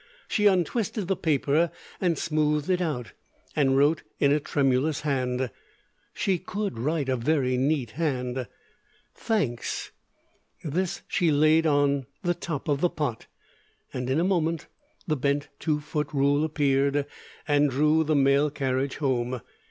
She untwisted the paper and smoothed it out, and wrote in a tremulous hand she could write a very neat hand Thanks. This she laid on the top of the pot, and in a moment the bent two foot rule appeared and drew the mail carriage home.